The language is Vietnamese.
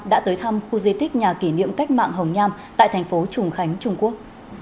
đã tới thăm khu di tích nhà kỷ niệm cách mạng hồng nham tại thành phố trùng khánh trung quốc